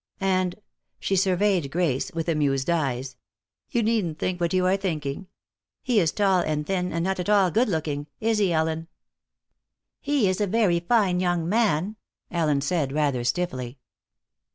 And " she surveyed Grace with amused eyes, "you needn't think what you are thinking. He is tall and thin and not at all good looking. Is he, Ellen?" "He is a very fine young man," Ellen said rather stiffly.